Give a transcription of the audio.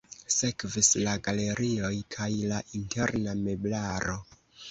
Sekvis la galerioj kaj la interna meblaro.